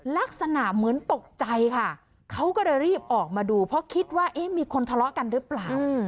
ลักษณะเหมือนตกใจค่ะเขาก็เลยรีบออกมาดูเพราะคิดว่าเอ๊ะมีคนทะเลาะกันหรือเปล่า